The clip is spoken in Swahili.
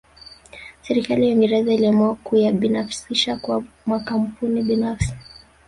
Serikali ya Uingereza iliamua kuyabinafsisha kwa makampuni binafsi